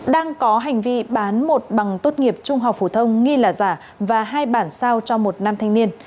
đang có hành vi bán một bằng tốt nghiệp trung học phổ thông nghi là giả và hai bản sao cho một nam thanh niên